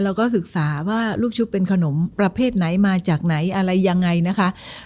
เราก็ศึกษาว่าลูกชุบเป็นขนมประเภทไหนมาจากไหนอะไรยังไงนะคะ